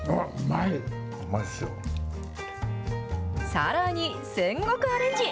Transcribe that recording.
さらに、戦国アレンジ。